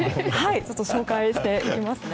紹介してみますね。